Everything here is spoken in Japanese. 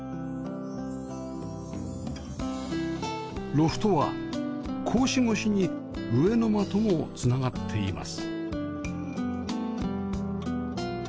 ロフトは格子越しに上の間とも繋がっています